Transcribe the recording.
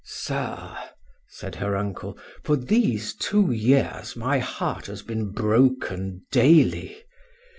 "Sir," said her uncle, "for these two years my heart has been broken daily.